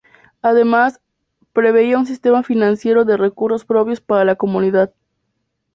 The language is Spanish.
Además preveía un sistema financiero de recursos propios para la Comunidad.